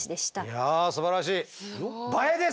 いやすばらしい！